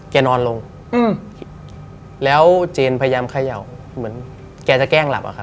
นอนลงแล้วเจนพยายามเขย่าเหมือนแกจะแกล้งหลับอะครับ